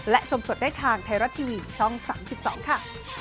และชมสดได้ทางไทยรัฐทีวีช่อง๓๒ค่ะ